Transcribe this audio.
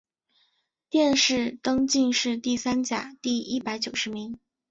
殿试登进士第三甲第一百九十名。